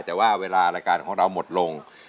แต่ว่าเวลารายการของเราหมดลง